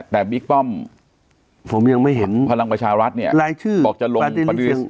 แต่บิ๊กป้อมพลังประชารัฐเนี่ยบอกจะลงปาร์ตี้ลิสต์